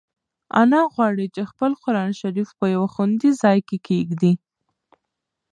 انا غواړي چې خپل قرانشریف په یو خوندي ځای کې کېږدي.